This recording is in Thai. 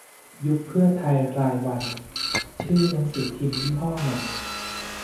"ยุบเพื่อไทย รายวัน" ชื่อหนังสือพิมพ์ยี่ห้อใหม่